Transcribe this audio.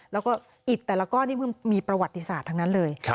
แล้วก็อิดแต่ละก้อนนี่เพิ่งมีประวัติศาสตร์ทั้งนั้นเลย